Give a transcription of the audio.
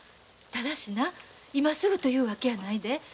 ただしな今すぐというわけやないで。